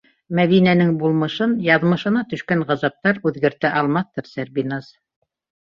Мәҙинәнең булмышын яҙмышына төшкән ғазаптар үҙгәртә алмаҫтыр, Сәрбиназ.